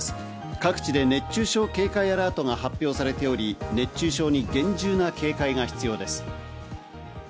各地で熱中症警戒アラートが発表されており、熱中症に厳重な警戒が必要です。